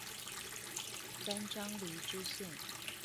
三張犁支線